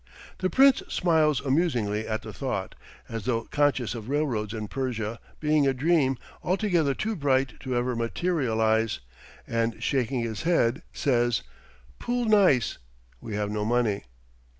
The Prince smiles amusingly at the thought, as though conscious of railroads in Persia being a dream altogether too bright to ever materialize, and shaking his head, says: "Pool neis" (we have no money).